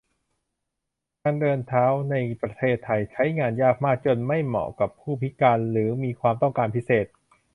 ทางเดินเท้าในประเทศไทย ใช้งานยากมาก ไม่เหมาะกับผู้พิการหรือมีความต้องการพิเศษ